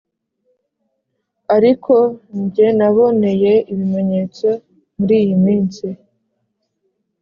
ariko njye naboneye ibimenyetso muri iyi minsi.